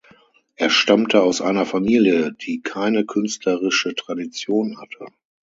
Er stammte aus einer Familie, die keine künstlerische Tradition hatte.